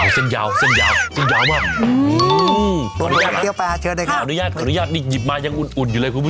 เส้นยาวเส้นยาวมาก